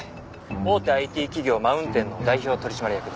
大手ＩＴ企業マウンテンの代表取締役です。